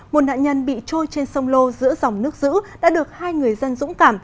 một nạn nhân bị trôi trên sông lô giữa dòng nước giữ đã được hai người dân dũng cảm